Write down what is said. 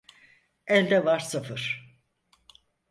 Elde var sıfır.